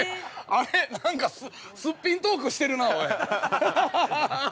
あれ、なんか、すっぴんトークしてるな、おいっ。